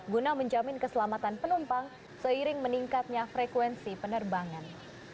guna menjamin keselamatan penumpang seiring meningkatnya frekuensi penerbangan